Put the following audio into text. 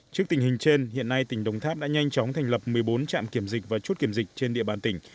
trước tình hình trên hiện nay tỉnh đồng tháp đã nhanh chóng thành lập một mươi bốn trạm kiểm dịch và chút kiểm dịch trên địa bàn tỉnh